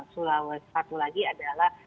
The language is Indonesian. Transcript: sulawesi satu lagi adalah